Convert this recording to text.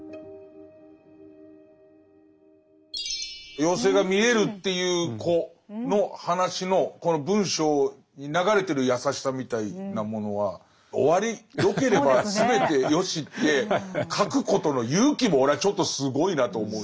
妖精が見えるっていう子の話のこの文章に流れてる優しさみたいなものは「おわりよければすべてよし」って書くことの勇気も俺はちょっとすごいなと思うし。